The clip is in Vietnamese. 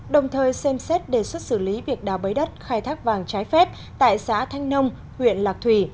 đồng thời xem xét đề xuất xử lý việc đào bấy đất khai thác vàng trái phép tại xã thanh nông huyện lạc thủy